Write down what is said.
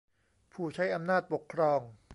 ผู้ใช้อำนาจปกครอง